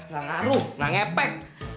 gak ngaruh gak ngepek